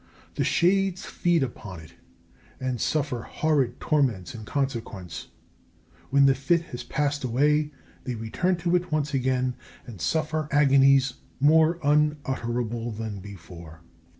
The shades feed upon it, and suffer horrid torments in consequence. When the fit has passed away they return to it once again, and suffer agonies more unutterable than before.